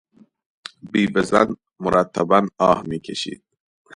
بیوهزن مرتبا آه میکشید.